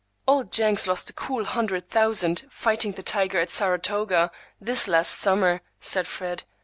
"Old Jenks lost a cool hundred thousand fighting the tiger at Saratoga, this last summer," said Fred.